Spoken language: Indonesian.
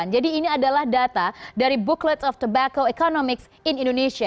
jadi ini adalah data dari booklets of tobacco economics in indonesia